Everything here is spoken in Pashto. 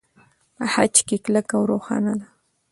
په خج کې کلکه او روښانه ده.